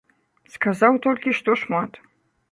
Сказаў толькі, што шмат.